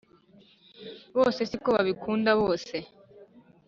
bose si ko babikunda byose.